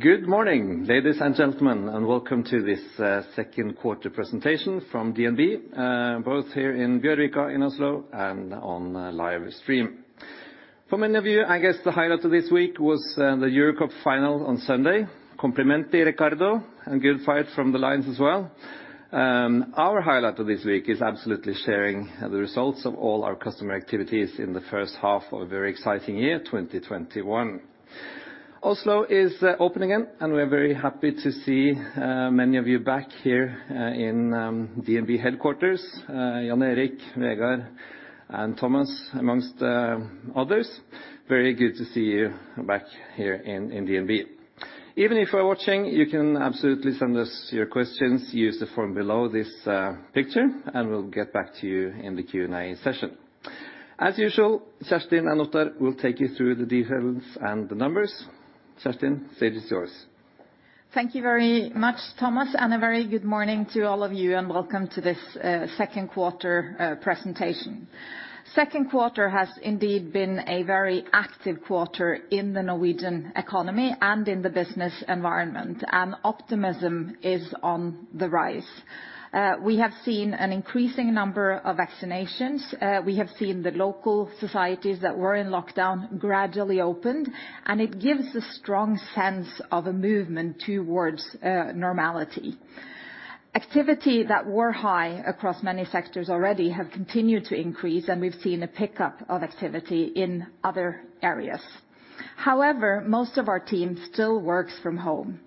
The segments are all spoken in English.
Good morning, ladies and gentlemen, and welcome to this second quarter presentation from DNB, both here in Bjørvika in Oslo and on live stream. For many of you, I guess the highlight of this week was the Euro Cup Final on Sunday. Complimenti, Riccardo, and good fight from the Lions as well. Our highlight of this week is absolutely sharing the results of all our customer activities in the first half of a very exciting year, 2021. Oslo is opening again, and we are very happy to see many of you back here in DNB headquarters. Jan Erik, Vegard, and Thomas, amongst others, very good to see you back here in DNB. Even if you are watching, you can absolutely send us your questions, use the form below this picture, and we'll get back to you in the Q&A session. As usual, Kjerstin and Ottar will take you through the details and the numbers. Kjerstin, stage is yours. Thank you very much, Thomas, and a very good morning to all of you, and welcome to this second quarter presentation. Second quarter has indeed been a very active quarter in the Norwegian economy and in the business environment, and optimism is on the rise. We have seen an increasing number of vaccinations. We have seen the local societies that were in lockdown gradually open, and it gives a strong sense of a movement towards normality. Activity that were high across many sectors already have continued to increase, and we've seen a pickup of activity in other areas. However, most of our team still works from home,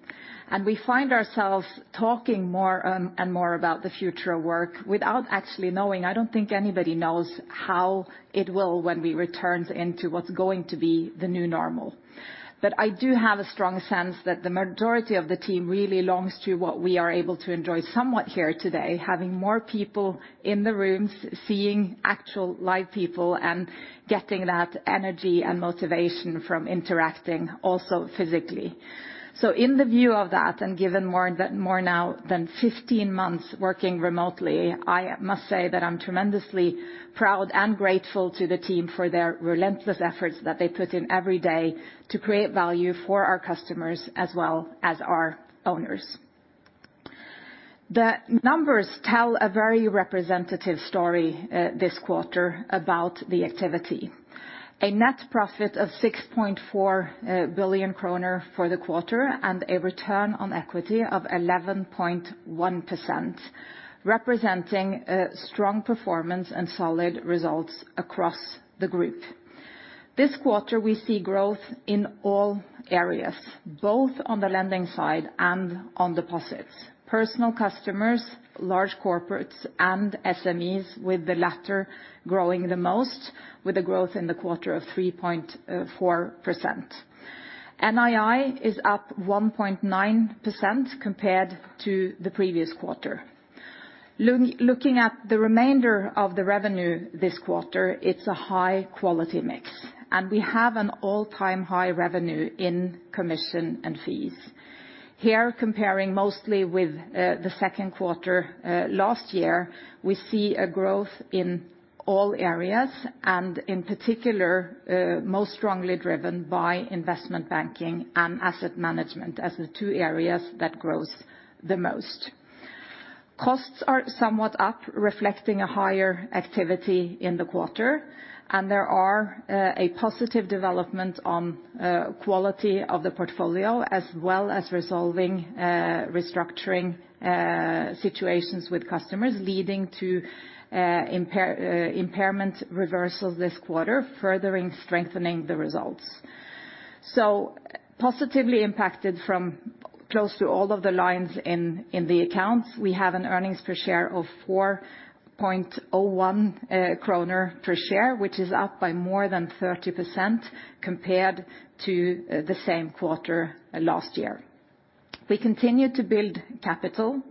and we find ourselves talking more and more about the future of work without actually knowing, I don't think anybody knows how it will when we return into what's going to be the new normal. I do have a strong sense that the majority of the team really longs to what we are able to enjoy somewhat here today, having more people in the rooms, seeing actual live people, and getting that energy and motivation from interacting also physically. In the view of that, and given more now than 15 months working remotely, I must say that I'm tremendously proud and grateful to the team for their relentless efforts that they put in every day to create value for our customers as well as our owners. The numbers tell a very representative story this quarter about the activity. A net profit of 6.4 billion kroner for the quarter, and a return on equity of 11.1%, representing a strong performance and solid results across the group. This quarter, we see growth in all areas, both on the lending side and on deposits. Personal customers, large corporates, and SMEs with the latter growing the most, with a growth in the quarter of 3.4%. NII is up 1.9% compared to the previous quarter. Looking at the remainder of the revenue this quarter, it's a high-quality mix, and we have an all-time high revenue in commission and fees. Here, comparing mostly with the second quarter last year, we see a growth in all areas, and in particular, most strongly driven by investment banking and asset management as the two areas that grows the most. Costs are somewhat up, reflecting a higher activity in the quarter, and there are a positive development on quality of the portfolio, as well as resolving restructuring situations with customers, leading to impairment reversals this quarter, furthering strengthening the results. Positively impacted from close to all of the lines in the accounts. We have an earnings per share of 4.01 kroner per share, which is up by more than 30% compared to the same quarter last year. We continue to build capital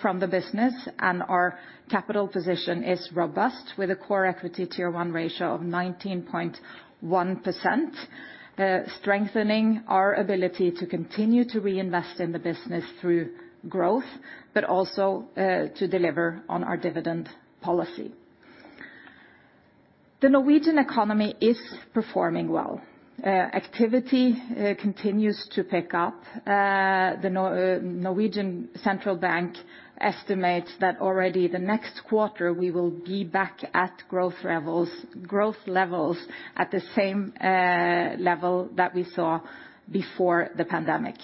from the business. Our capital position is robust with a Core Equity Tier 1 ratio of 19.1%, strengthening our ability to continue to reinvest in the business through growth, but also to deliver on our dividend policy. The Norwegian economy is performing well. Activity continues to pick up. The Norwegian central bank estimates that already the next quarter, we will be back at growth levels at the same level that we saw before the pandemic.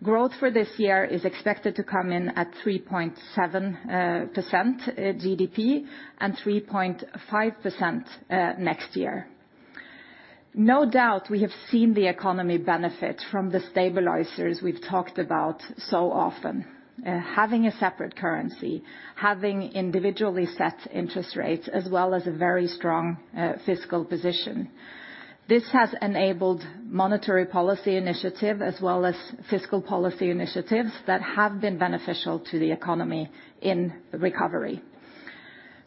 Growth for this year is expected to come in at 3.7% GDP and 3.5% next year. No doubt, we have seen the economy benefit from the stabilizers we've talked about so often. Having a separate currency, having individually set interest rates, as well as a very strong fiscal position. This has enabled monetary policy initiative as well as fiscal policy initiatives that have been beneficial to the economy in recovery.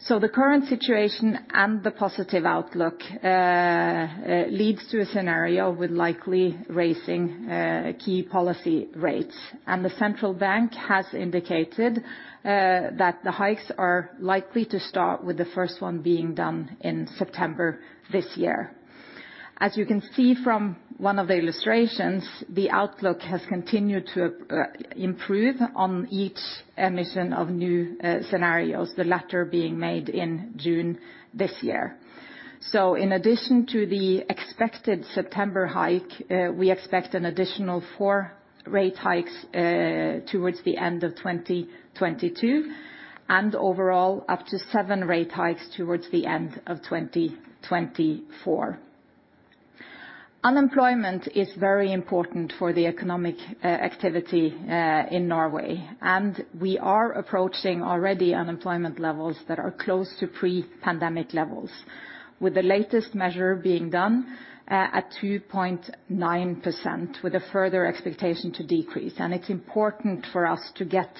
The current situation and the positive outlook leads to a scenario with likely raising key policy rates, and the central bank has indicated that the hikes are likely to start with the first one being done in September this year. As you can see from one of the illustrations, the outlook has continued to improve on each emission of new scenarios, the latter being made in June this year. In addition to the expected September hike, we expect an additional four rate hikes towards the end of 2022, and overall up to seven rate hikes towards the end of 2024. Unemployment is very important for the economic activity in Norway, and we are approaching already unemployment levels that are close to pre-pandemic levels, with the latest measure being done at 2.9%, with a further expectation to decrease. It's important for us to get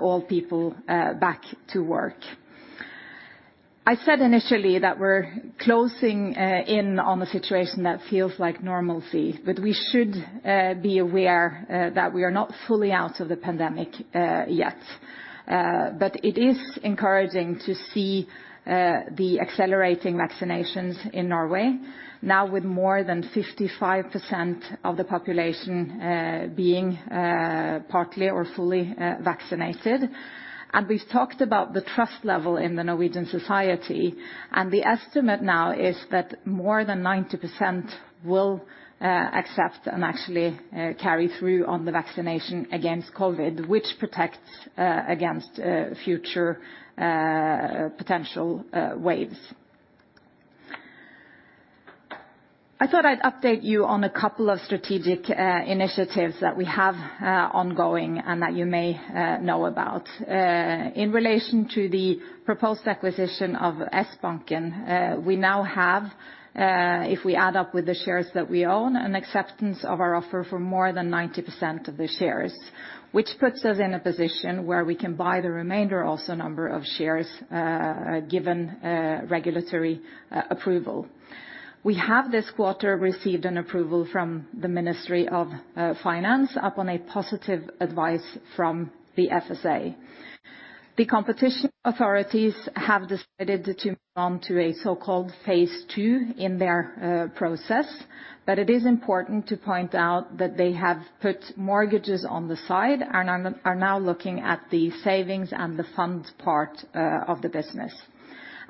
all people back to work. I said initially that we're closing in on a situation that feels like normalcy, but we should be aware that we are not fully out of the pandemic yet. It is encouraging to see the accelerating vaccinations in Norway, now with more than 55% of the population being partly or fully vaccinated. We've talked about the trust level in the Norwegian society, and the estimate now is that more than 90% will accept and actually carry through on the vaccination against COVID, which protects against future potential waves. I thought I'd update you on a couple of strategic initiatives that we have ongoing and that you may know about. In relation to the proposed acquisition of Sbanken, we now have, if we add up with the shares that we own, an acceptance of our offer for more than 90% of the shares. Which puts us in a position where we can buy the remainder also number of shares, given regulatory approval. We have this quarter received an approval from the Ministry of Finance upon a positive advice from the FSA. The competition authorities have decided to move on to a so-called Phase 2 in their process, but it is important to point out that they have put mortgages on the side and are now looking at the savings and the funds part of the business.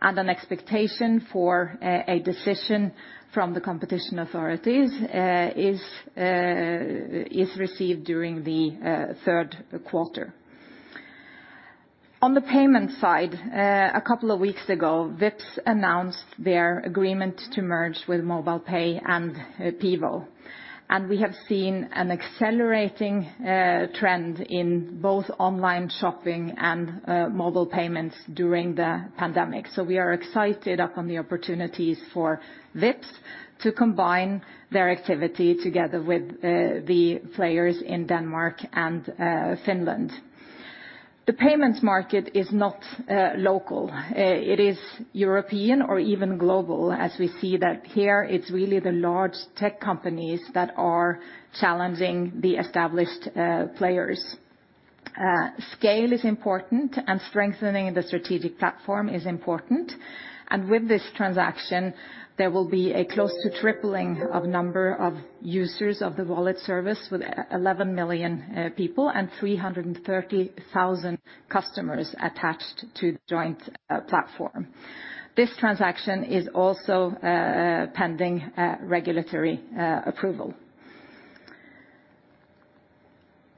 An expectation for a decision from the competition authorities is received during the third quarter. On the payment side, a couple of weeks ago, Vipps announced their agreement to merge with MobilePay and Pivo. We have seen an accelerating trend in both online shopping and mobile payments during the pandemic. We are excited upon the opportunities for Vipps to combine their activity together with the players in Denmark and Finland. The payments market is not local. It is European or even global, as we see that here it's really the large tech companies that are challenging the established players. Scale is important, and strengthening the strategic platform is important. With this transaction, there will be a close to tripling of number of users of the wallet service with 11 million people and 330,000 customers attached to the joint platform. This transaction is also pending regulatory approval.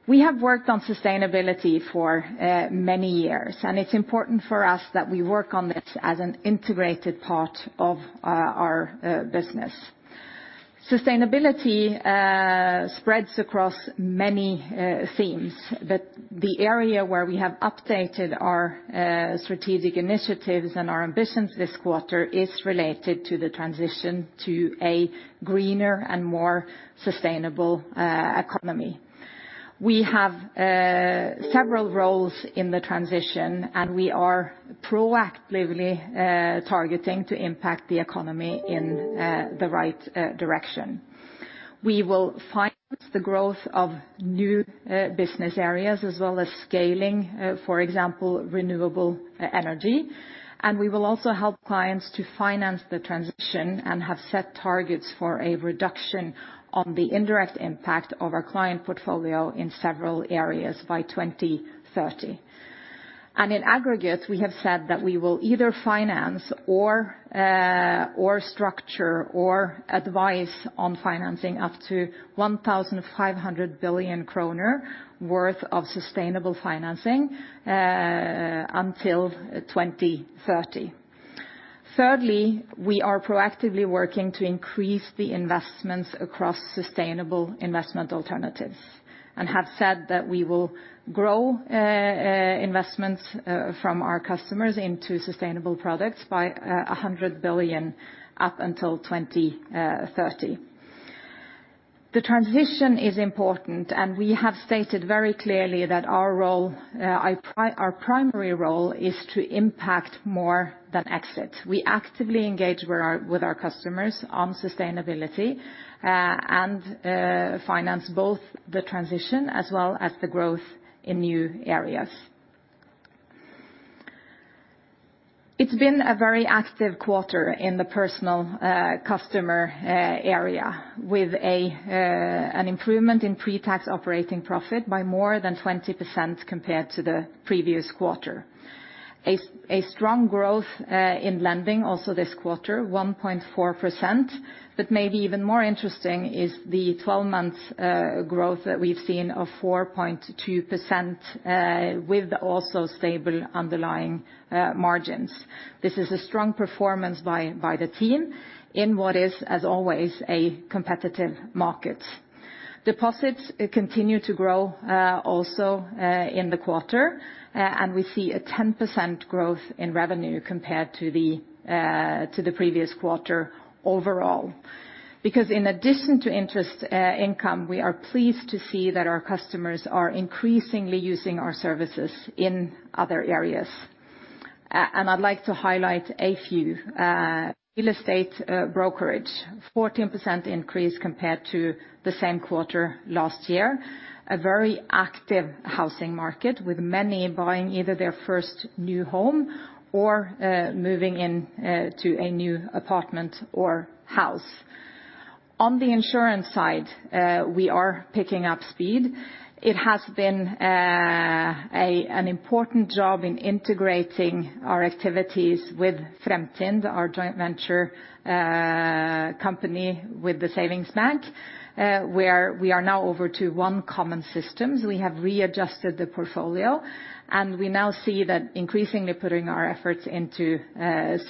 We have worked on sustainability for many years, and it's important for us that we work on this as an integrated part of our business. Sustainability spreads across many themes, but the area where we have updated our strategic initiatives and our ambitions this quarter is related to the transition to a greener and more sustainable economy. We have several roles in the transition, and we are proactively targeting to impact the economy in the right direction. We will finance the growth of new business areas as well as scaling, for example, renewable energy. We will also help clients to finance the transition and have set targets for a reduction on the indirect impact of our client portfolio in several areas by 2030. In aggregate, we have said that we will either finance or structure or advise on financing up to 1,500 billion kroner worth of sustainable financing until 2030. Thirdly, we are proactively working to increase the investments across sustainable investment alternatives and have said that we will grow investments from our customers into sustainable products by 100 billion up until 2030. The transition is important. We have stated very clearly that our primary role is to impact more than exit. We actively engage with our customers on sustainability and finance both the transition as well as the growth in new areas. It's been a very active quarter in the personal customer area, with an improvement in pre-tax operating profit by more than 20% compared to the previous quarter. A strong growth in lending also this quarter, 1.4%, but maybe even more interesting is the 12-month growth that we've seen of 4.2% with also stable underlying margins. This is a strong performance by the team in what is, as always, a competitive market. Deposits continue to grow also in the quarter. We see a 10% growth in revenue compared to the previous quarter overall. In addition to interest income, we are pleased to see that our customers are increasingly using our services in other areas. I'd like to highlight a few. Real estate brokerage, 14% increase compared to the same quarter last year. A very active housing market, with many buying either their first new home or moving into a new apartment or house. On the insurance side, we are picking up speed. It has been an important job in integrating our activities with Fremtind, our joint venture company with the Savings Bank, where we are now over to one common system. We have readjusted the portfolio, and we now see that increasingly putting our efforts into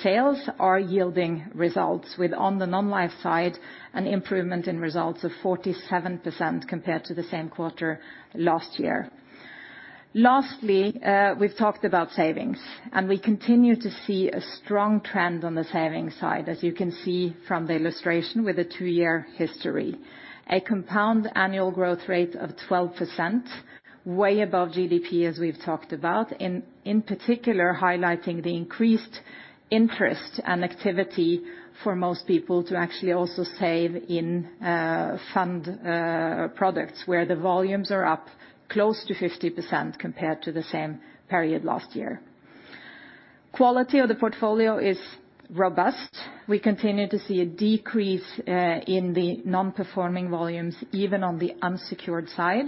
sales are yielding results with, on the non-life side, an improvement in results of 47% compared to the same quarter last year. Lastly, we've talked about savings, and we continue to see a strong trend on the savings side, as you can see from the illustration with a two-year history. A compound annual growth rate of 12%, way above GDP, as we've talked about. In particular, highlighting the increased interest and activity for most people to actually also save in fund products where the volumes are up close to 50% compared to the same period last year. Quality of the portfolio is robust. We continue to see a decrease in the non-performing volumes, even on the unsecured side,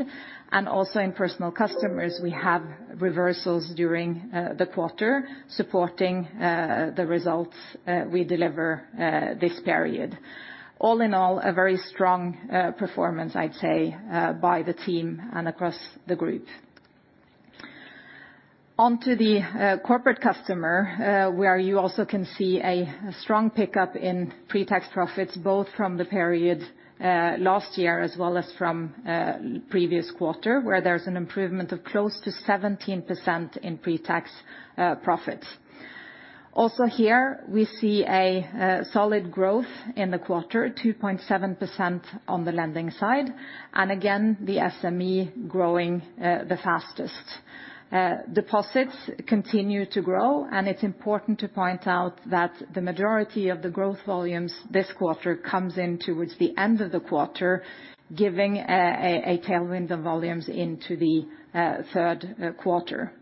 and also in personal customers, we have reversals during the quarter supporting the results we deliver this period. All in all, a very strong performance, I'd say, by the team and across the group. On to the corporate customer, where you also can see a strong pickup in pre-tax profits, both from the period last year as well as from previous quarter, where there's an improvement of close to 17% in pre-tax profit. Also here we see a solid growth in the quarter, 2.7% on the lending side, and again, the SME growing the fastest. Deposits continue to grow, and it's important to point out that the majority of the growth volumes this quarter comes in towards the end of the quarter, giving a tailwind of volumes into the third quarter.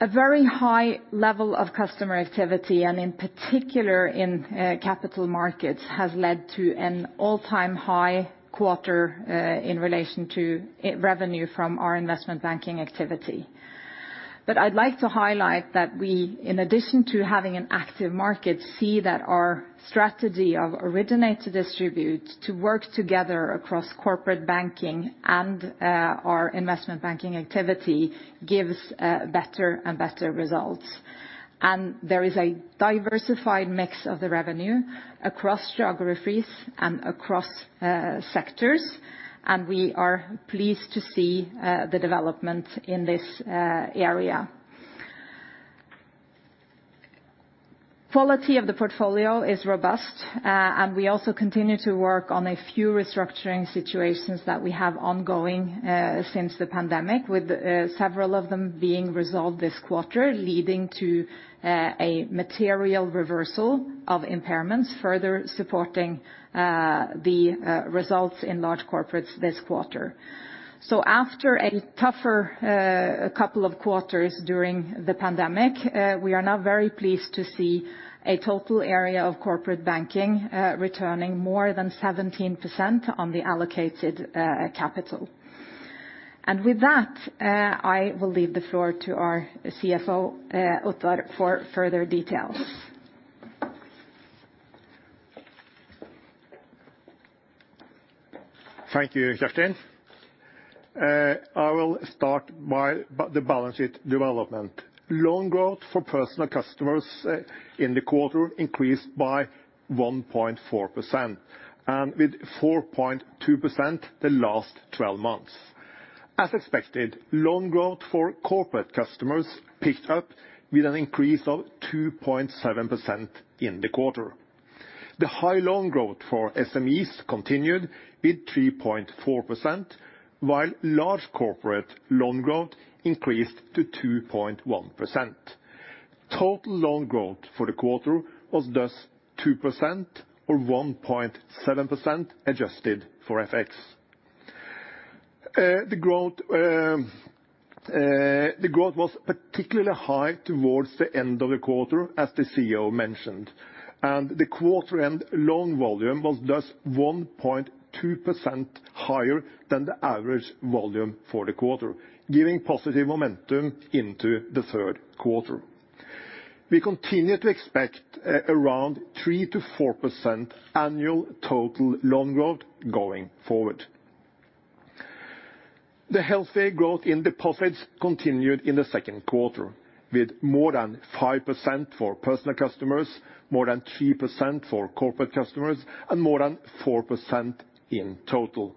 A very high level of customer activity, in particular in capital markets, has led to an all-time high quarter in relation to revenue from our investment banking activity. I'd like to highlight that we, in addition to having an active market, see that our strategy of originate-to-distribute, to work together across corporate banking and our investment banking activity gives better and better results. There is a diversified mix of the revenue across geographies and across sectors, and we are pleased to see the development in this area. Quality of the portfolio is robust, we also continue to work on a few restructuring situations that we have ongoing since the pandemic, with several of them being resolved this quarter, leading to a material reversal of impairments, further supporting the results in large corporates this quarter. After a tougher couple of quarters during the pandemic, we are now very pleased to see a total area of corporate banking returning more than 17% on the allocated capital. With that, I will leave the floor to our CFO, Ottar, for further details. Thank you, Kjerstin. I will start by the balance sheet development. Loan growth for personal customers in the quarter increased by 1.4%, and with 4.2% the last 12 months. As expected, loan growth for corporate customers picked up with an increase of 2.7% in the quarter. The high loan growth for SMEs continued with 3.4%, while large corporate loan growth increased to 2.1%. Total loan growth for the quarter was thus 2% or 1.7% adjusted for FX. The growth was particularly high towards the end of the quarter, as the CEO mentioned. The quarter-end loan volume was thus 1.2% higher than the average volume for the quarter, giving positive momentum into the third quarter. We continue to expect around 3%-4% annual total loan growth going forward. The healthy growth in deposits continued in the second quarter with more than 5% for personal customers, more than 3% for corporate customers, and more than 4% in total.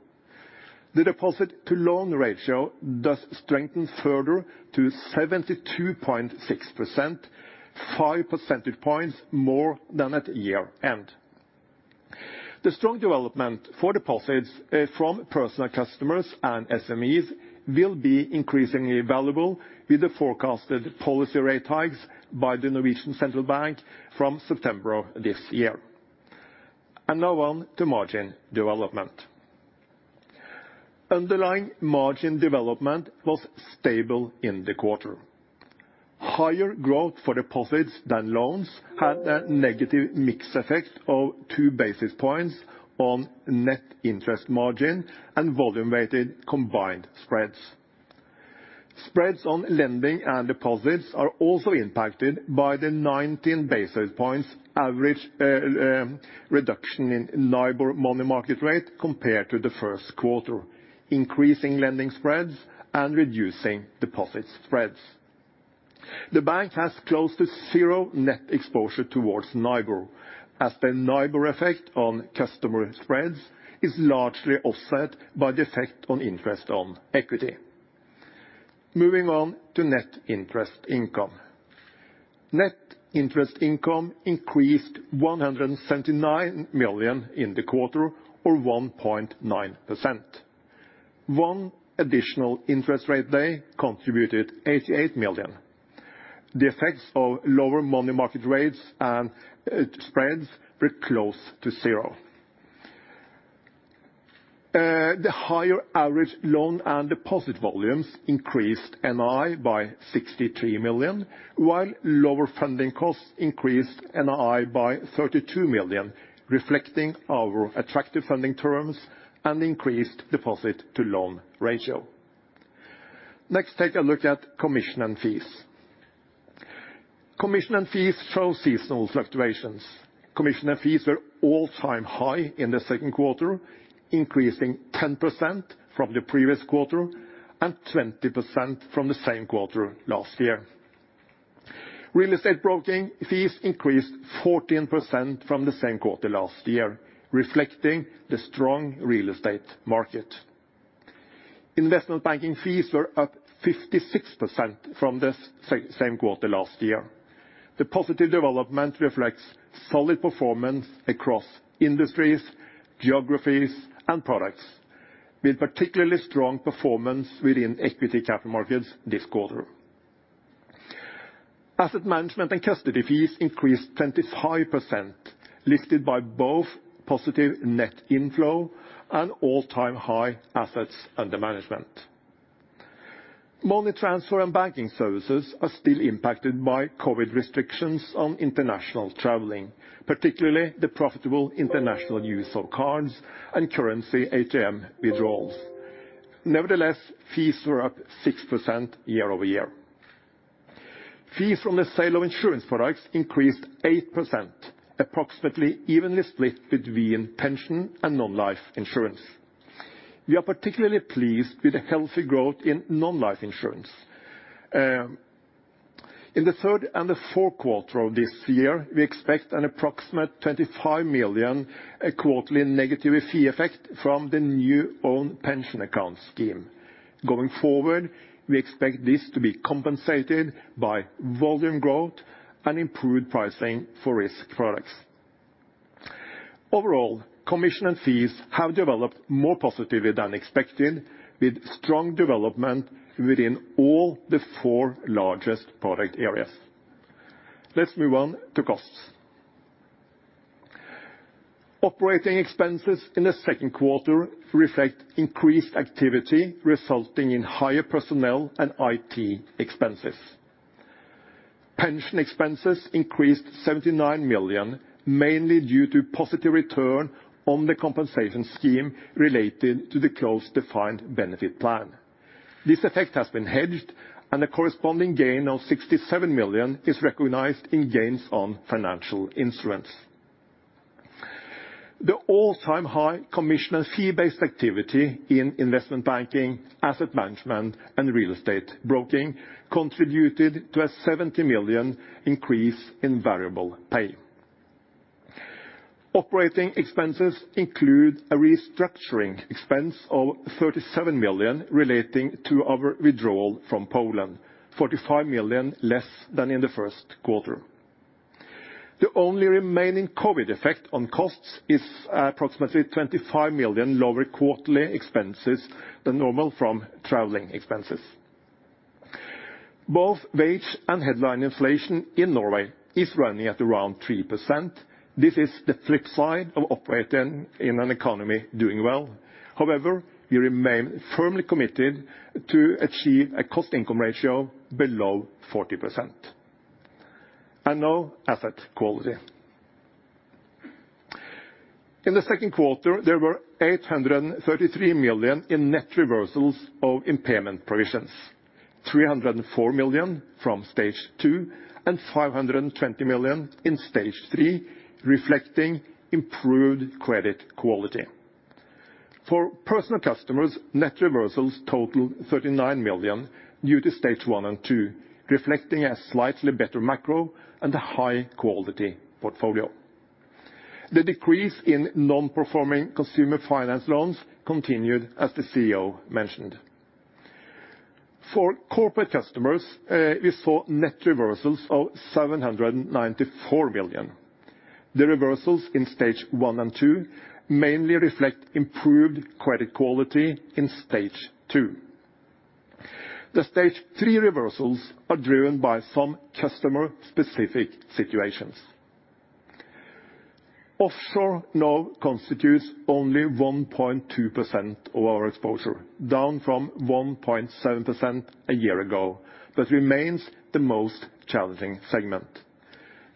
The deposit to loan ratio thus strengthened further to 72.6%, 5 percentage points more than at year-end. The strong development for deposits from personal customers and SMEs will be increasingly valuable with the forecasted policy rate hikes by the Norwegian central bank from September of this year. Now on to margin development. Underlying margin development was stable in the quarter. Higher growth for deposits than loans had a negative mix effect of 2 basis points on net interest margin and volume-weighted combined spreads. Spreads on lending and deposits are also impacted by the 19 basis points average reduction in LIBOR money market rate compared to the first quarter, increasing lending spreads and reducing deposit spreads. The bank has close to zero net exposure towards LIBOR, as the LIBOR effect on customer spreads is largely offset by the effect on interest on equity. Moving on to net interest income. Net interest income increased 179 million in the quarter, or 1.9%. One additional interest rate day contributed 88 million. The effects of lower money market rates and spreads were close to zero. The higher average loan and deposit volumes increased NII by 63 million, while lower funding costs increased NII by 32 million, reflecting our attractive funding terms and increased deposit to loan ratio. Next, take a look at commission and fees. Commission and fees show seasonal fluctuations. Commission and fees were all-time high in the second quarter, increasing 10% from the previous quarter and 20% from the same quarter last year. Real estate broking fees increased 14% from the same quarter last year, reflecting the strong real estate market. Investment banking fees were up 56% from the same quarter last year. The positive development reflects solid performance across industries, geographies, and products, with particularly strong performance within equity capital markets this quarter. Asset management and custody fees increased 25%, lifted by both positive net inflow and all-time high assets under management. Money transfer and banking services are still impacted by COVID restrictions on international traveling, particularly the profitable international use of cards and currency ATM withdrawals. Nevertheless, fees were up 6% year-over-year. Fees from the sale of insurance products increased 8%, approximately evenly split between pension and non-life insurance. We are particularly pleased with the healthy growth in non-life insurance. In the third and the fourth quarter of this year, we expect an approximate 25 million quarterly negative fee effect from the new own pension account scheme. Going forward, we expect this to be compensated by volume growth and improved pricing for risk products. Overall, commission and fees have developed more positively than expected, with strong development within all the four largest product areas. Let's move on to costs. Operating expenses in the second quarter reflect increased activity, resulting in higher personnel and IT expenses. Pension expenses increased 79 million, mainly due to positive return on the compensation scheme related to the closed defined benefit plan. This effect has been hedged, and the corresponding gain of 67 million is recognized in gains on financial instruments. The all-time high commission and fee-based activity in investment banking, asset management, and real estate broking contributed to a 70 million increase in variable pay. Operating expenses include a restructuring expense of 37 million relating to our withdrawal from Poland, 45 million less than in the first quarter. The only remaining COVID effect on costs is approximately 25 million lower quarterly expenses than normal from traveling expenses. Both wage and headline inflation in Norway is running at around 3%. This is the flip side of operating in an economy doing well. However, we remain firmly committed to achieve a cost-income ratio below 40%. Now asset quality. In the second quarter, there were 833 million in net reversals of impairment provisions, 304 million from Stage 2 and 520 million in Stage 3, reflecting improved credit quality. For personal customers, net reversals total 39 million due to Stage 1 and 2, reflecting a slightly better macro and a high quality portfolio. The decrease in non-performing consumer finance loans continued, as the CEO mentioned. For corporate customers, we saw net reversals of 794 million. The reversals in Stage 1 and 2 mainly reflect improved credit quality in Stage 2. The Stage 3 reversals are driven by some customer specific situations. Offshore now constitutes only 1.2% of our exposure, down from 1.7% a year ago. That remains the most challenging segment.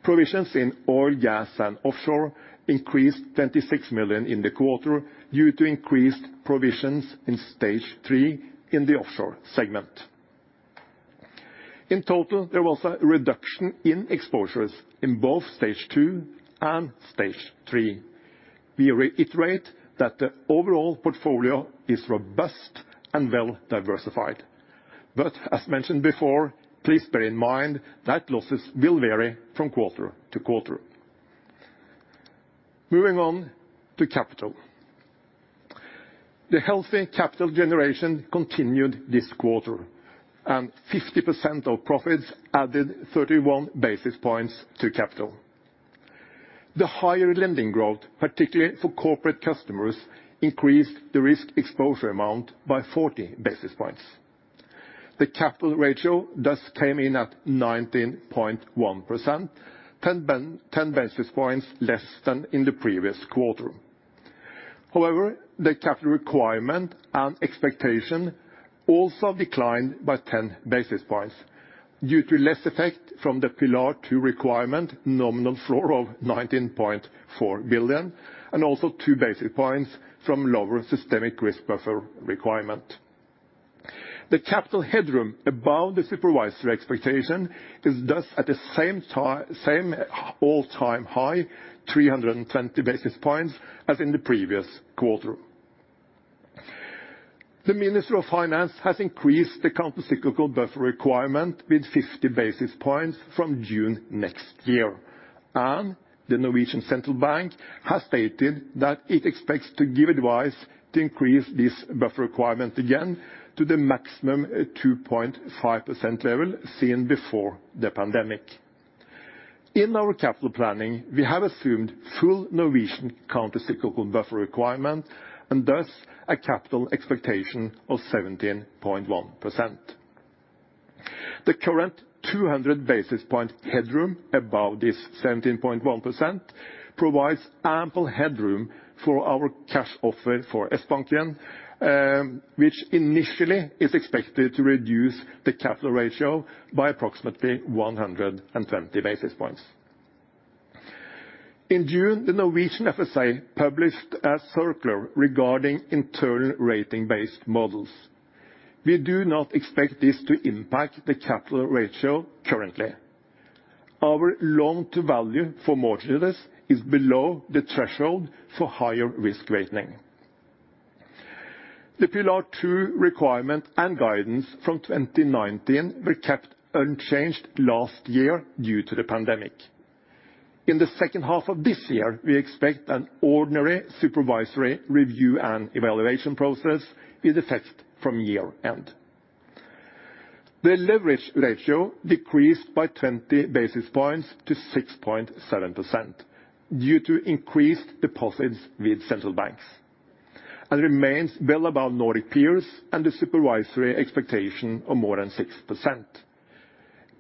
Provisions in oil, gas, and offshore increased 26 million in the quarter due to increased provisions in Stage 3 in the offshore segment. In total, there was a reduction in exposures in both Stage 2 and Stage 3. We reiterate that the overall portfolio is robust and well diversified. As mentioned before, please bear in mind that losses will vary from quarter to quarter. Moving on to capital. The healthy capital generation continued this quarter, 50% of profits added 31 basis points to capital. The higher lending growth, particularly for corporate customers, increased the risk exposure amount by 40 basis points. The capital ratio came in at 19.1%, 10 basis points less than in the previous quarter. The capital requirement and expectation also declined by 10 basis points due to less effect from the Pillar 2 requirement nominal floor of 19.4 billion, and also 2 basis points from lower systemic risk buffer requirement. The capital headroom above the supervisory expectation is thus at the same all-time high 320 basis points as in the previous quarter. The Minister of Finance has increased the countercyclical buffer requirement with 50 basis points from June next year, the Norwegian central bank has stated that it expects to give advice to increase this buffer requirement again to the maximum 2.5% level seen before the pandemic. In our capital planning, we have assumed full Norwegian countercyclical capital buffer requirement and thus a capital expectation of 17.1%. The current 200 basis points headroom above this 17.1% provides ample headroom for our cash offer for Sbanken, which initially is expected to reduce the capital ratio by approximately 120 basis points. In June, the Norwegian FSA published a circular regarding internal ratings-based models. We do not expect this to impact the capital ratio currently. Our loan-to-value for mortgages is below the threshold for higher risk weighting. The Pillar 2 requirement and guidance from 2019 were kept unchanged last year due to the pandemic. In the second half of this year, we expect an ordinary supervisory review and evaluation process with effect from year end. The leverage ratio decreased by 20 basis points to 6.7% due to increased deposits with central banks, and remains well above Nordic peers and the supervisory expectation of more than 6%.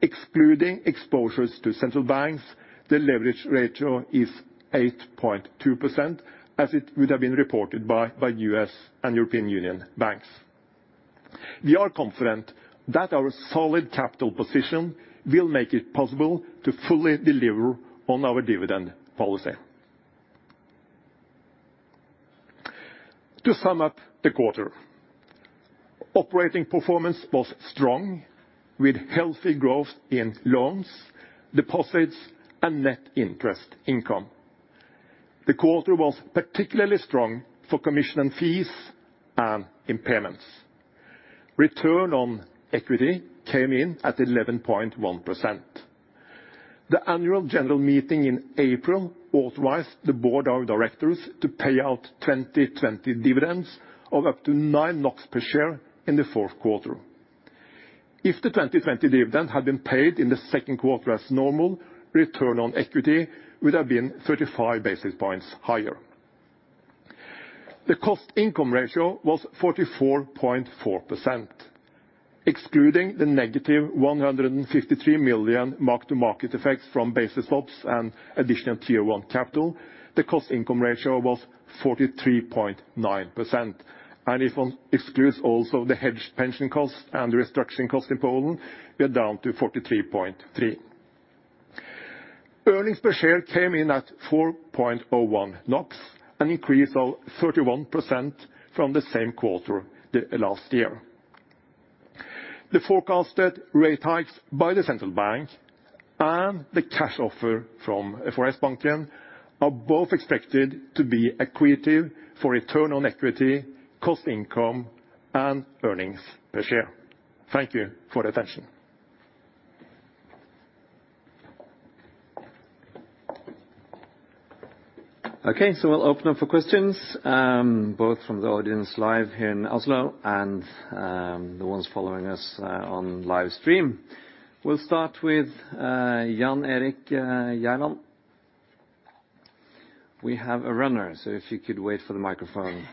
Excluding exposures to central banks, the leverage ratio is 8.2%, as it would have been reported by U.S. and European Union banks. We are confident that our solid capital position will make it possible to fully deliver on our dividend policy. To sum up the quarter, operating performance was strong with healthy growth in loans, deposits, and net interest income. The quarter was particularly strong for commission and fees and impairments. Return on equity came in at 11.1%. The Annual General Meeting in April authorized the board of directors to pay out 2020 dividends of up to 9 NOK per share in the fourth quarter. If the 2020 dividend had been paid in the second quarter as normal, return on equity would have been 35 basis points higher. The cost-income ratio was 44.4%. Excluding the negative 153 million mark-to-market effects from basis swaps and Additional Tier 1 capital, the cost-income ratio was 43.9%. If one excludes also the hedged pension costs and the restructuring costs in Poland, we are down to 43.3%. Earnings per share came in at 4.01 NOK, an increase of 31% from the same quarter last year. The forecasted rate hikes by the central bank and the cash offer from Sbanken are both expected to be accretive for return on equity, cost-income, and earnings per share. Thank you for your attention. We'll open up for questions, both from the audience live here in Oslo and the ones following us on live stream. We'll start with Jan Erik Gjerland. We have a runner, if you could wait for the microphone.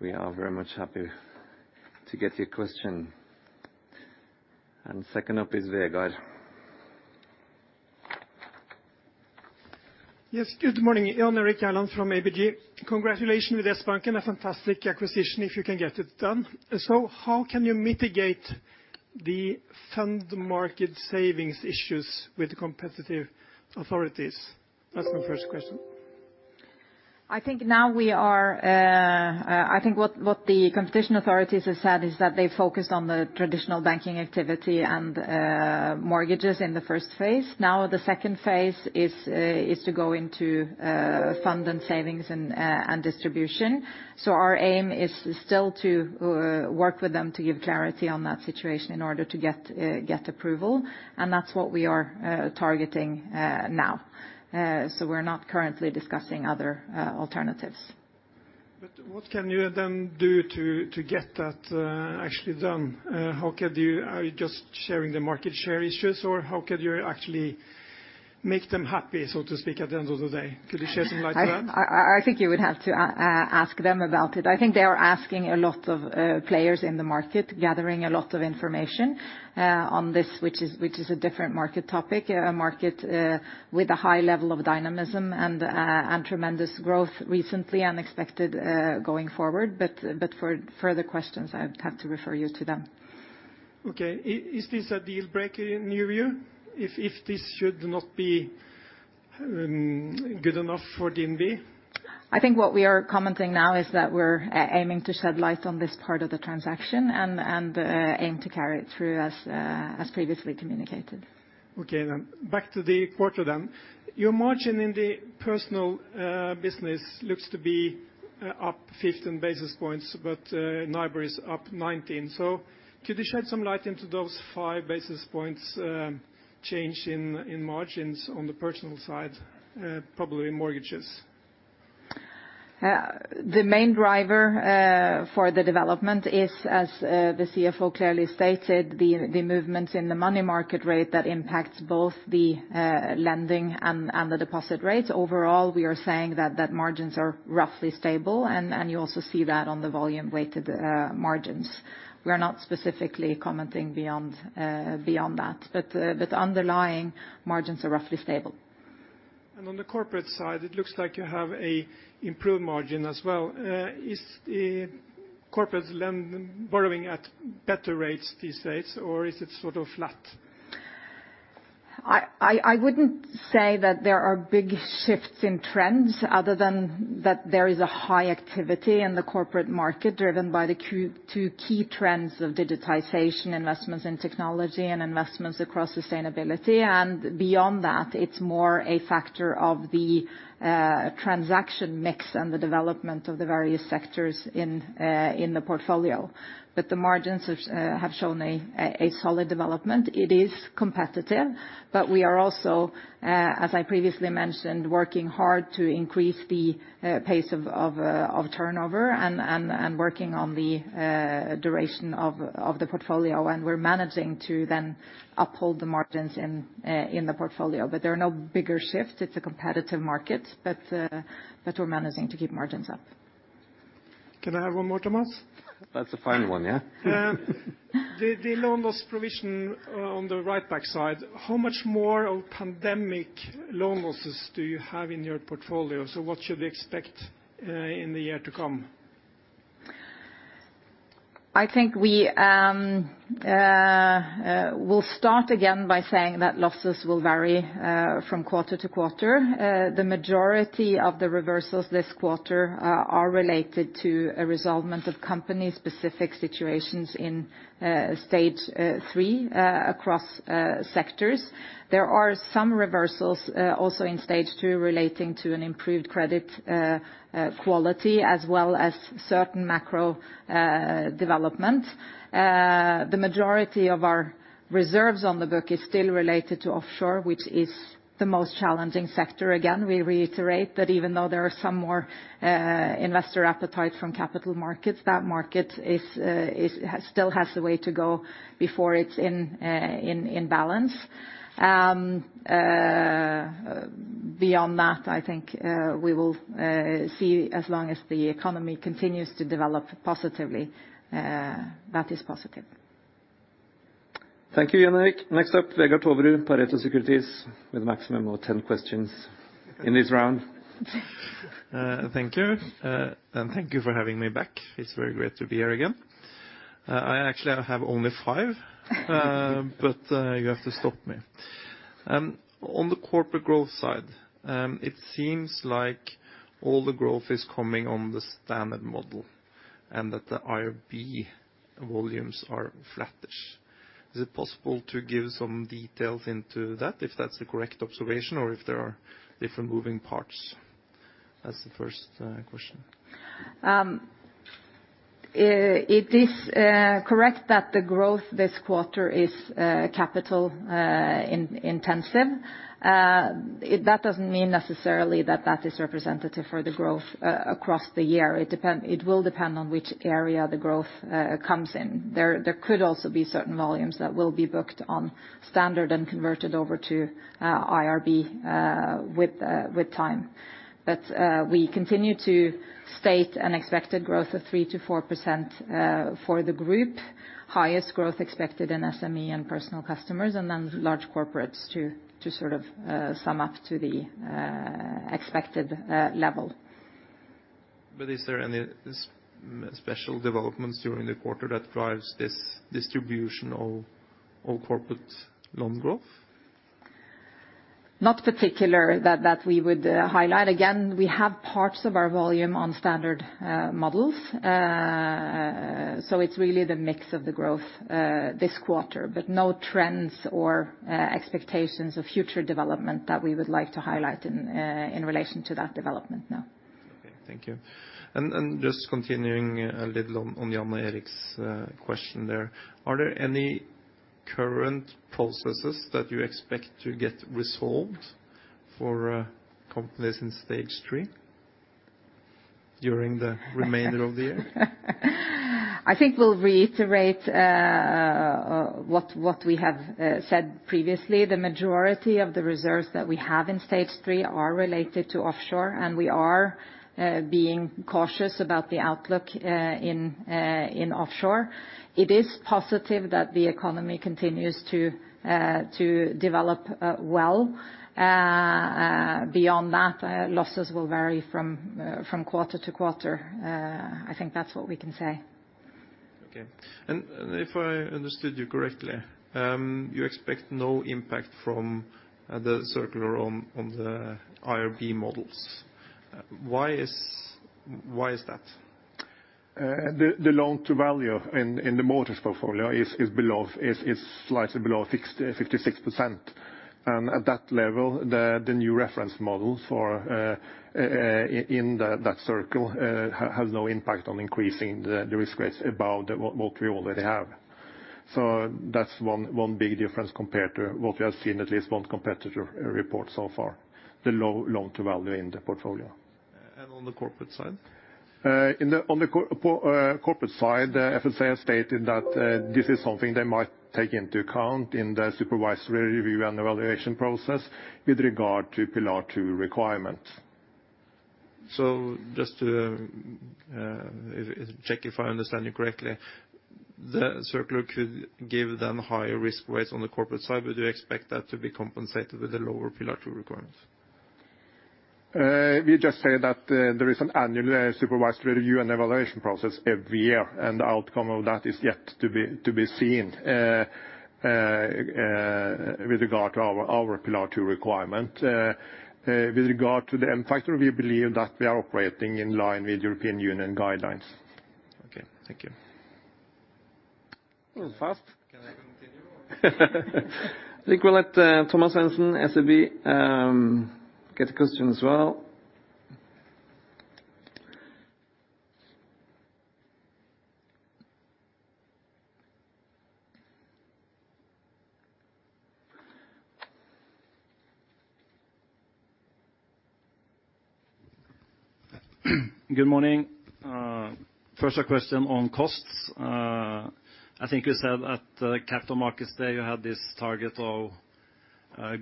We are very much happy to get your question. Second up is Vegard. Yes. Good morning. Jan Erik Gjerland from ABG. Congratulations with Sbanken, a fantastic acquisition if you can get it done. How can you mitigate the fund market savings issues with the competitive authorities? That's my first question. I think what the competition authorities have said is that they focused on the traditional banking activity and mortgages in the first phase. The second phase is to go into fund and savings and distribution. Our aim is still to work with them to give clarity on that situation in order to get approval. That's what we are targeting now. We're not currently discussing other alternatives. What can you then do to get that actually done? Are you just sharing the market share issues, or how could you actually make them happy, so to speak, at the end of the day? Could you shed some light on that? I think you would have to ask them about it. I think they are asking a lot of players in the market, gathering a lot of information on this, which is a different market topic, a market with a high level of dynamism and tremendous growth recently, and expected going forward. For further questions, I would have to refer you to them. Okay. Is this a deal breaker in your view? If this should not be good enough for DNB? I think what we are commenting now is that we're aiming to shed light on this part of the transaction and aim to carry it through as previously communicated. Okay then. Back to the quarter then. Your margin in the personal business looks to be up 15 basis points, but NIBOR is up 19. Could you shed some light into those 5 basis points change in margins on the personal side, probably mortgages? The main driver for the development is, as the CFO clearly stated, the movements in the money market rate that impacts both the lending and the deposit rate. Overall, we are saying that margins are roughly stable, and you also see that on the volume-weighted margins. We are not specifically commenting beyond that. The underlying margins are roughly stable. On the corporate side, it looks like you have an improved margin as well. Is the corporate borrowing at better rates these days, or is it sort of flat? I wouldn't say that there are big shifts in trends other than that there is a high activity in the corporate market driven by the two key trends of digitization investments in technology and investments across sustainability. Beyond that, it's more a factor of the transaction mix and the development of the various sectors in the portfolio. The margins have shown a solid development. It is competitive, but we are also, as I previously mentioned, working hard to increase the pace of turnover and working on the duration of the portfolio, and we're managing to then uphold the margins in the portfolio. There are no bigger shifts. It's a competitive market, but we're managing to keep margins up. Can I have one more, Thomas? That's a final one, yeah. The loan loss provision on the write-back side, how much more of pandemic loan losses do you have in your portfolio? What should we expect in the year to come? I think we'll start again by saying that losses will vary from quarter to quarter. The majority of the reversals this quarter are related to a resolvement of company specific situations in Stage 3 across sectors. There are some reversals also in Stage 2 relating to an improved credit quality as well as certain macro developments. The majority of our reserves on the book is still related to offshore, which is the most challenging sector. Again, we reiterate that even though there are some more investor appetite from capital markets, that market still has a way to go before it's in balance. Beyond that, I think we will see as long as the economy continues to develop positively, that is positive. Thank you, Jan Erik. Next up, Vegard Toverud, Pareto Securities, with a maximum of 10 questions in this round. Thank you. Thank you for having me back. It's very great to be here again. I actually have only five, but you have to stop me. On the corporate growth side, it seems like all the growth is coming on the standard model, and that the IRB volumes are flattish. Is it possible to give some details into that, if that's the correct observation, or if there are different moving parts? That's the first question. It is correct that the growth this quarter is capital intensive. That doesn't mean necessarily that is representative for the growth across the year. It will depend on which area the growth comes in. There could also be certain volumes that will be booked on standard and converted over to IRB with time. We continue to state an expected growth of 3%-4% for the group. Highest growth expected in SME and personal customers, large corporates to sum up to the expected level. Is there any special developments during the quarter that drives this distribution of all corporate loan growth? Not particular that we would highlight. Again, we have parts of our volume on standard models. It's really the mix of the growth this quarter, but no trends or expectations of future development that we would like to highlight in relation to that development, no. Okay, thank you. Just continuing a little on Jan Erik's question there. Are there any current processes that you expect to get resolved for companies in Stage 3 during the remainder of the year? I think we'll reiterate what we have said previously. The majority of the reserves that we have in Stage 3 are related to offshore, and we are being cautious about the outlook in offshore. It is positive that the economy continues to develop well. Beyond that, losses will vary from quarter to quarter. I think that's what we can say. Okay. If I understood you correctly, you expect no impact from the circular on the IRB models. Why is that? The loan-to-value in the mortgage portfolio is slightly below 56%. At that level, the new reference models in that circular has no impact on increasing the risk rates above what we already have. That's one big difference compared to what we have seen, at least one competitor report so far, the low loan-to-value in the portfolio. On the corporate side? On the corporate side, the FSA has stated that this is something they might take into account in the supervisory review and evaluation process with regard to Pillar 2 requirement. Just to check if I understand you correctly. The circular could give them higher risk rates on the corporate side. Would you expect that to be compensated with the lower Pillar 2 requirements? We just say that there is an annual supervisory review and evaluation process every year. The outcome of that is yet to be seen with regard to our Pillar 2 requirement. With regard to the SME factor, we believe that we are operating in line with European Union guidelines. Okay. Thank you. That was fast. Can I continue, or? I think we'll let Thomas Svendsen, SEB, get a question as well. Good morning. First, a question on costs. I think you said at the Capital Markets Day, you had this target of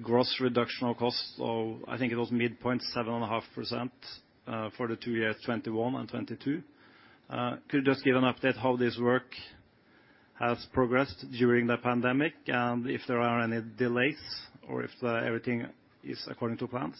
gross reduction of costs of, I think it was midpoint 7.5% for the two years, 2021 and 2022. Could you just give an update how this work has progressed during the pandemic, and if there are any delays or if everything is according to plans?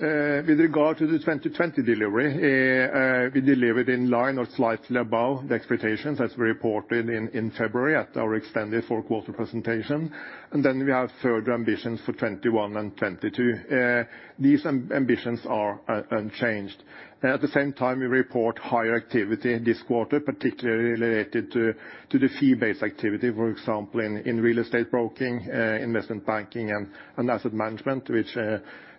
With regard to the 2020 delivery, we delivered in line or slightly above the expectations as we reported in February at our expanded fourth quarter presentation. We have further ambitions for 2021 and 2022. These ambitions are unchanged. At the same time, we report higher activity this quarter, particularly related to the fee-based activity, for example, in real estate broking, investment banking, and asset management, which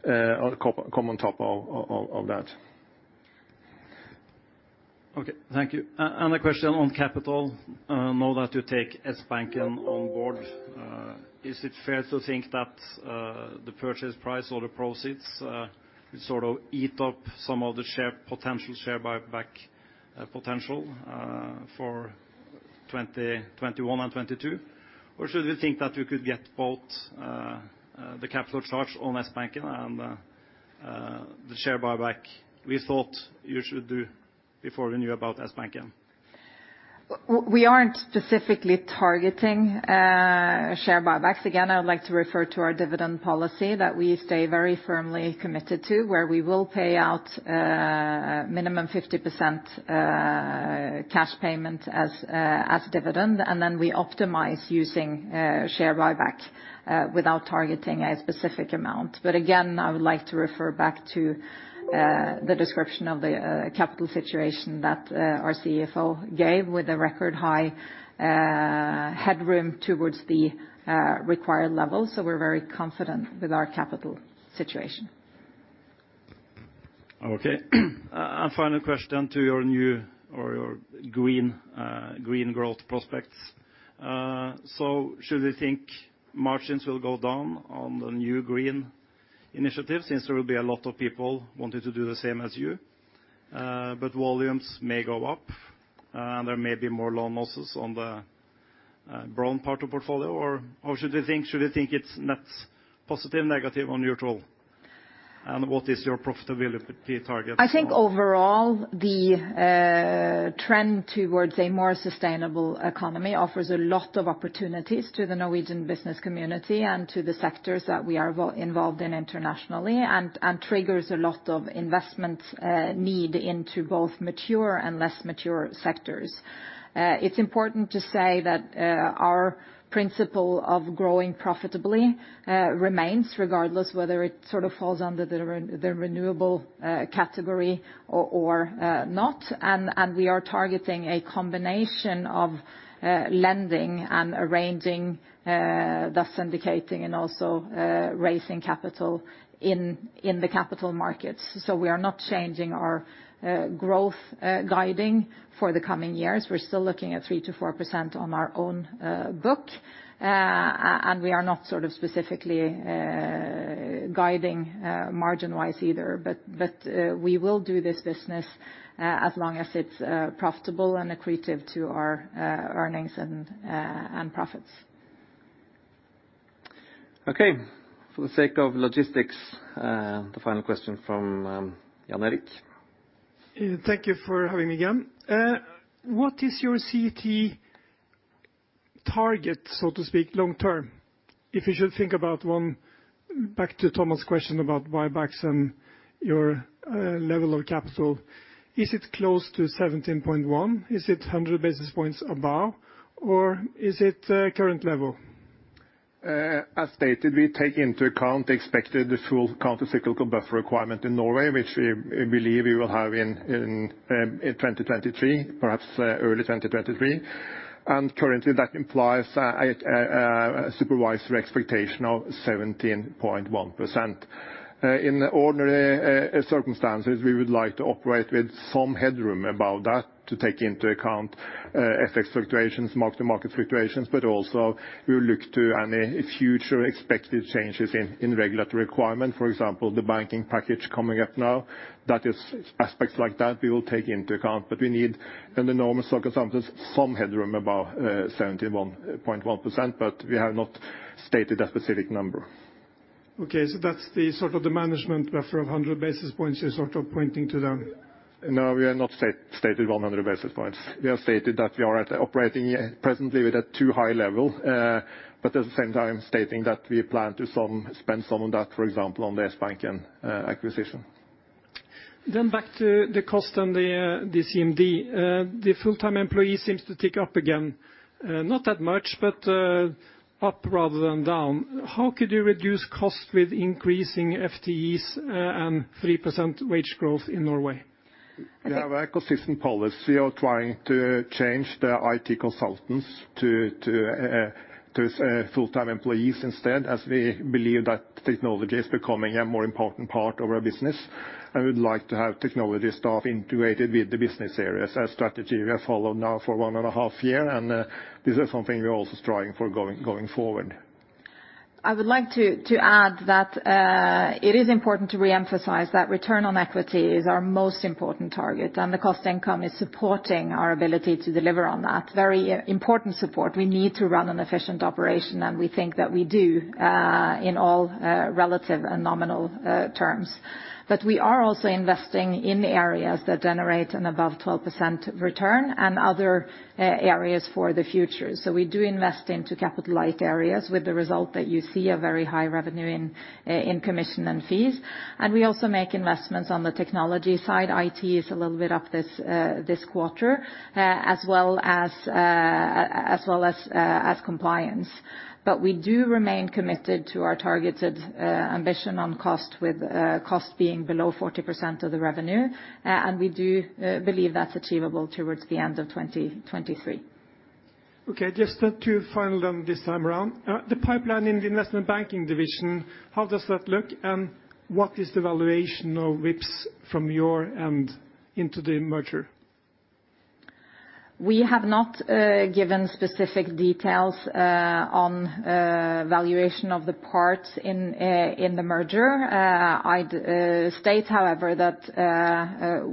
come on top of that. Okay. Thank you. A question on capital. Now that you take Sbanken on board, is it fair to think that the purchase price or the proceeds sort of eat up some of the potential share buyback potential for 2021 and 2022? Should we think that we could get both the capital charge on Sbanken and the share buyback we thought you should do before we knew about Sbanken? We aren't specifically targeting share buybacks. Again, I would like to refer to our dividend policy that we stay very firmly committed to, where we will pay out minimum 50% cash payment as dividend, and then we optimize using share buyback without targeting a specific amount. Again, I would like to refer back to the description of the capital situation that our CFO gave with a record high headroom towards the required level. We're very confident with our capital situation. Okay. Final question to your new or your green growth prospects. Should we think margins will go down on the new green initiatives, since there will be a lot of people wanting to do the same as you, but volumes may go up and there may be more loan losses on the brown part of portfolio? Should we think it's net positive, negative, or neutral? What is your profitability target? I think overall, the trend towards a more sustainable economy offers a lot of opportunities to the Norwegian business community and to the sectors that we are involved in internationally and triggers a lot of investment need into both mature and less mature sectors. It is important to say that our principle of growing profitably remains, regardless whether it sort of falls under the renewable category or not, and we are targeting a combination of lending and arranging, thus syndicating and also raising capital in the capital markets. We are not changing our growth guiding for the coming years. We are still looking at 3%-4% on our own book. We are not sort of specifically guiding margin-wise either. We will do this business as long as it is profitable and accretive to our earnings and profits. Okay. For the sake of logistics, the final question from Jan Erik. Thank you for having me again. What is your CET target, so to speak, long term? If you should think about one back to Thomas' question about buybacks and your level of capital, is it close to 17.1%? Is it 100 basis points above, or is it current level? As stated, we take into account expected the full countercyclical capital buffer requirement in Norway, which we believe we will have in 2023, perhaps early 2023. Currently, that implies a supervisory expectation of 17.1%. In ordinary circumstances, we would like to operate with some headroom above that to take into account FX fluctuations, mark-to-market fluctuations, but also we look to any future expected changes in regulatory requirement. For example, the banking package coming up now. Aspects like that we will take into account, but we need, under normal circumstances, some headroom above 17.1%, but we have not stated a specific number. Okay, that's the management buffer of 100 basis points. You're sort of pointing to that. We have not stated 100 basis points. We have stated that we are operating presently with a too high level, but at the same time stating that we plan to spend some of that, for example, on the Sbanken acquisition. Back to the cost and the CMD. The full-time employee seems to tick up again, not that much, but up rather than down. How could you reduce cost with increasing FTEs and 3% wage growth in Norway? We have a consistent policy of trying to change the IT consultants to full-time employees instead, as we believe that technology is becoming a more important part of our business, and we'd like to have technology staff integrated with the business areas. A strategy we have followed now for one and a half year, and this is something we are also striving for going forward. I would like to add that it is important to reemphasize that return on equity is our most important target, and the cost-income is supporting our ability to deliver on that. Very important support. We need to run an efficient operation, and we think that we do in all relative and nominal terms. We are also investing in areas that generate an above 12% return and other areas for the future. We do invest into capital-light areas with the result that you see a very high revenue in commission and fees. We also make investments on the technology side. IT is a little bit up this quarter, as well as compliance. We do remain committed to our targeted ambition on cost, with cost being below 40% of the revenue. We do believe that's achievable towards the end of 2023. Okay, just two final then this time around. The pipeline in the investment banking division, how does that look? What is the valuation of Vipps from your end into the merger? We have not given specific details on valuation of the parts in the merger. I state, however, that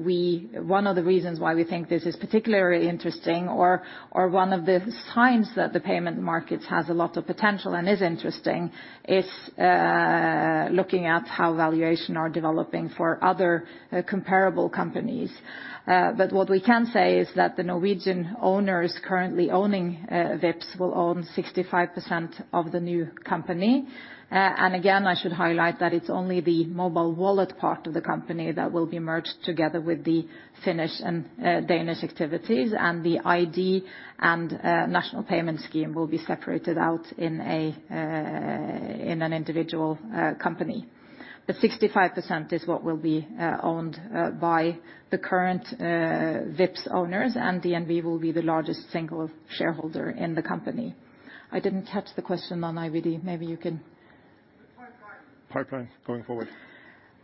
one of the reasons why we think this is particularly interesting, or one of the signs that the payment market has a lot of potential and is interesting, is looking at how valuation are developing for other comparable companies. What we can say is that the Norwegian owners currently owning Vipps will own 65% of the new company. Again, I should highlight that it's only the mobile wallet part of the company that will be merged together with the Finnish and Danish activities, and the ID and national payment scheme will be separated out in an individual company. 65% is what will be owned by the current Vipps owners, and DNB will be the largest single shareholder in the company. I didn't catch the question on IBD. Maybe you can. The pipeline. Pipeline going forward.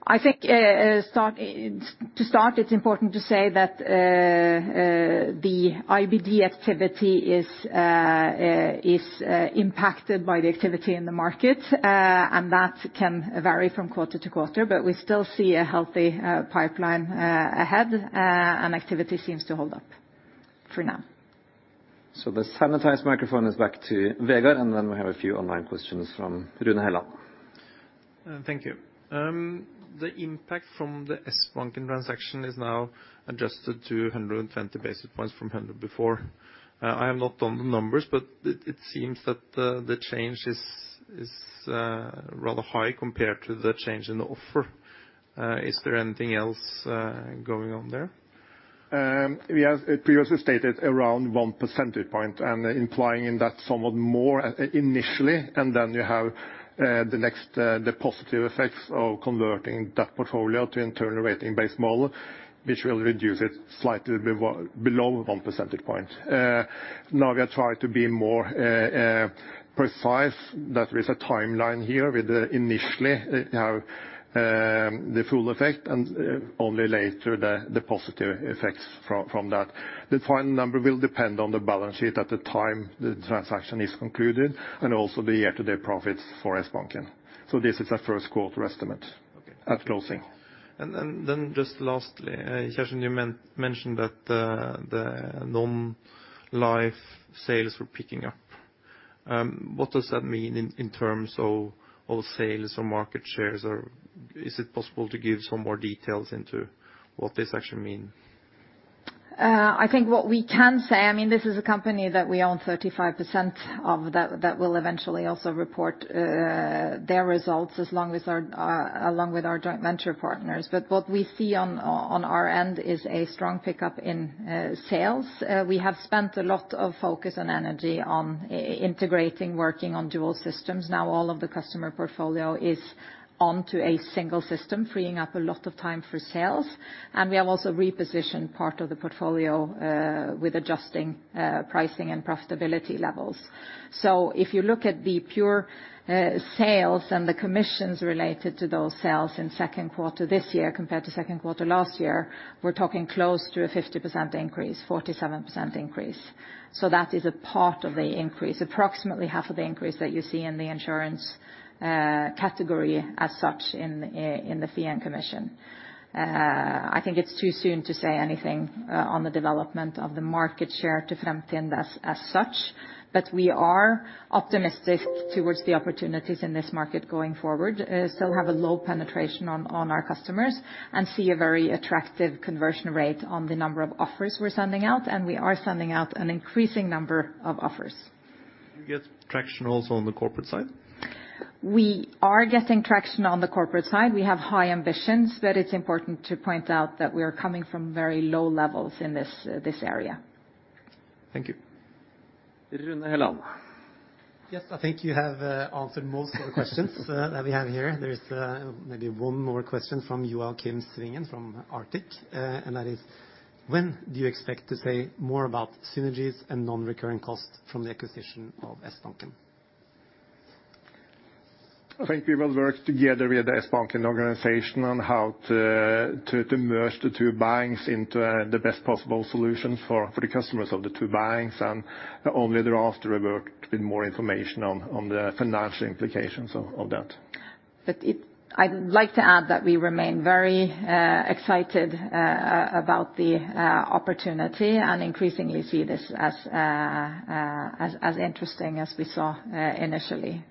I think to start, it is important to say that the IBD activity is impacted by the activity in the market, and that can vary from quarter to quarter. We still see a healthy pipeline ahead, and activity seems to hold up for now. The sanitized microphone is back to Vegard, and then we have a few online questions from Rune Helland. Thank you. The impact from the Sbanken transaction is now adjusted to 120 basis points from 100 before. I am not on the numbers, but it seems that the change is rather high compared to the change in the offer. Is there anything else going on there? We have previously stated around 1 percentage point, and implying in that somewhat more initially, and then you have the positive effects of converting that portfolio to internal ratings-based models, which will reduce it slightly below 1 percentage point. We are trying to be more precise, that there is a timeline here with initially how the full effect and only later the positive effects from that. The final number will depend on the balance sheet at the time the transaction is concluded, and also the year-to-date profits for Sbanken. This is a first quarter estimate. Okay. At closing. Just lastly, Kjerstin, you mentioned that the non-life sales were picking up. What does that mean in terms of sales or market shares? Is it possible to give some more details into what this actually mean? I think what we can say, this is a company that we own 35% of, that will eventually also report their results along with our joint venture partners. What we see on our end is a strong pickup in sales. We have spent a lot of focus and energy on integrating, working on dual systems. Now all of the customer portfolio is onto a single system, freeing up a lot of time for sales. We have also repositioned part of the portfolio with adjusting pricing and profitability levels. If you look at the pure sales and the commissions related to those sales in second quarter this year compared to second quarter last year, we're talking close to a 50% increase, 47% increase. That is a part of the increase, approximately half of the increase that you see in the insurance category as such in the fee and commission. I think it's too soon to say anything on the development of the market share to Fremtind as such, but we are optimistic towards the opportunities in this market going forward. Still have a low penetration on our customers, and see a very attractive conversion rate on the number of offers we're sending out, and we are sending out an increasing number of offers. Do you get traction also on the corporate side? We are getting traction on the corporate side. We have high ambitions, but it's important to point out that we are coming from very low levels in this area. Thank you. Rune Helland. Yes, I think you have answered most of the questions that we have here. There is maybe one more question from Joakim Svingen from Arctic, That is: When do you expect to say more about synergies and non-recurring costs from the acquisition of Sbanken? I think we will work together with the Sbanken organization on how to merge the two banks into the best possible solution for the customers of the two banks, and only thereafter revert with more information on the financial implications of that. I'd like to add that we remain very excited about the opportunity, and increasingly see this as interesting as we saw initially.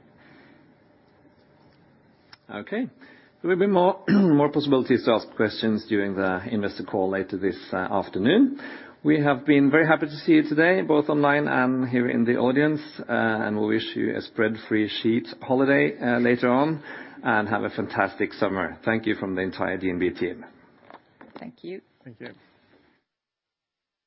Okay. There will be more possibilities to ask questions during the investor call later this afternoon. We have been very happy to see you today, both online and here in the audience, and we wish you a spreadsheet-free holiday later on, and have a fantastic summer. Thank you from the entire DNB team. Thank you. Thank you.